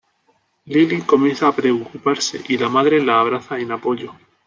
Lily comienza a preocuparse, y la Madre la abraza en apoyo.